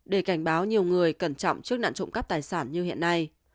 để cảnh báo nhiều người cẩn trọng trước nạn trộm cắp tài sản như hiện nay